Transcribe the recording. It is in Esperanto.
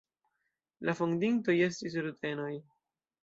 La fondintoj estis rutenoj.